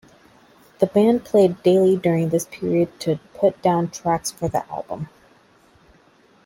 The band played daily during this period to put down tracks for the album.